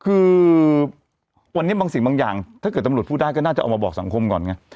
คือวันนี้บางสิ่งบางอย่างถ้าเกิดตำรวจพูดได้ก็น่าจะเอามาบอกสังคมก่อนไง